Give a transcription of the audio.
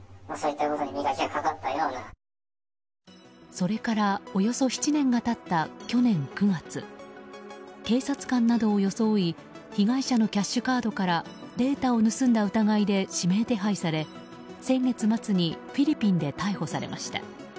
それからおよそ７年が経った去年９月警察官などを装い被害者のキャッシュカードからデータを盗んだ疑いで指名手配され先月末にフィリピンで逮捕されました。